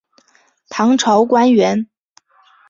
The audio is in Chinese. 唐朝官员。